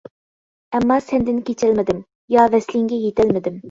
ئەمما سەندىن كېچەلمىدىم، يا ۋەسلىڭگە يېتەلمىدىم.